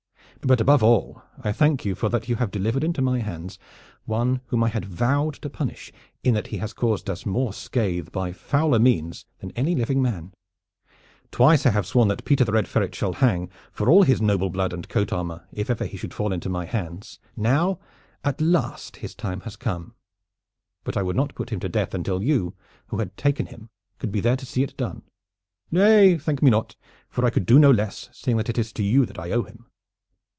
But above all I thank you for that you have delivered into my hands one whom I had vowed to punish in that he has caused us more scathe by fouler means than any living man. Twice have I sworn that Peter the Red Ferret shall hang, for all his noble blood and coat armor, if ever he should fall into my hands. Now at last his time has come; but I would not put him to death until you, who had taken him, could be there to see it done. Nay, thank me not, for I could do no less, seeing that it is to you that I owe him."